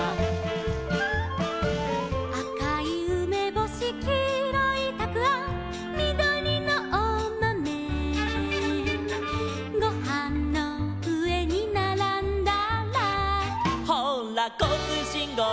「あかいうめぼし」「きいろいたくあん」「みどりのおまめ」「ごはんのうえにならんだら」「ほうらこうつうしんごうだい」